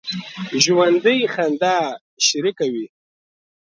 ژوندي خندا شریکه وي